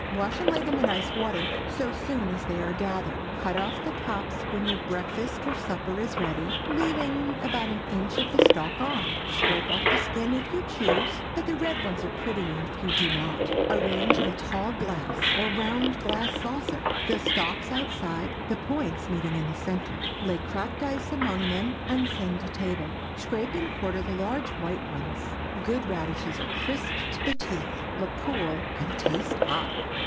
Wash and lay them in ice water so soon as they are gathered. Cut off the tops when your breakfast or supper is ready, leaving about an inch of the stalks on; scrape off the skin if you choose, but the red ones are prettier if you do not; arrange in a tall glass or a round glass saucer, the stalks outside, the points meeting in the centre; lay cracked ice among them and send to table. Scrape and quarter the large white ones. Good radishes are crisp to the teeth, look cool, and taste hot.